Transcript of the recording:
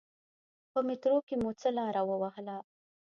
په میترو کې مو څه لاره و وهله.